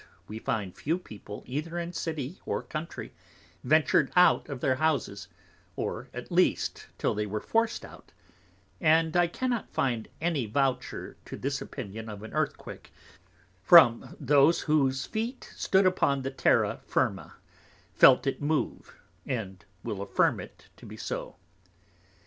We find few People either in City or Country ventur'd out of their Houses, or at least till they were forced out, and I cannot find any Voucher to this opinion of an Earthquake, from those whose Feet stood upon the Terra Firma, felt it move, and will affirm it to be so.